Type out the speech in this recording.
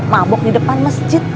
mabuk di depan masjid